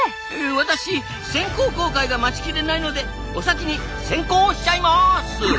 私「先行」公開が待ちきれないのでお先に「潜航」しちゃいます！